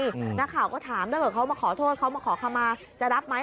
นักข่าวก็ถามถ้าเกิดเขามาขอโทษเขามาขอคำมาจะรับไหม